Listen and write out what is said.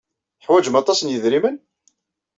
Teḥwajem aṭas n yidrimen?